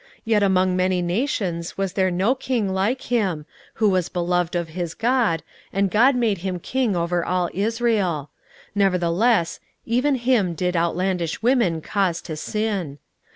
yet among many nations was there no king like him, who was beloved of his God, and God made him king over all Israel: nevertheless even him did outlandish women cause to sin.